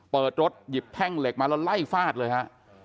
เปิดรถหยิบแท่งเหล็กมาแล้วไล่ฟาดเลยฮะ